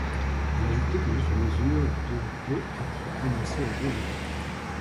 Elle ajoutait que d'autres mesures devaient être annoncées le lendemain.